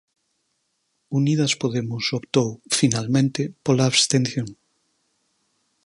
Unidas Podemos optou, finalmente, pola abstención.